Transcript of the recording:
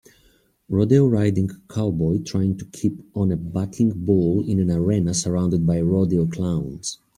Rodeo riding cowboy trying to keep on a bucking bull in an arena surrounded by rodeo clowns.